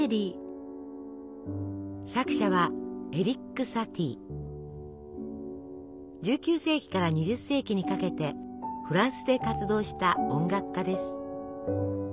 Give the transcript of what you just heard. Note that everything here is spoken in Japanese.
作者は１９世紀から２０世紀にかけてフランスで活動した音楽家です。